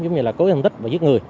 giống như là cố hành tích và giết người